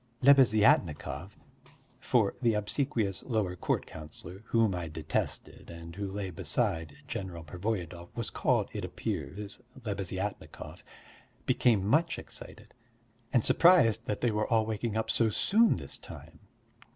Lebeziatnikov (for the obsequious lower court councillor whom I detested and who lay beside General Pervoyedov was called, it appears, Lebeziatnikov) became much excited, and surprised that they were all waking up so soon this time.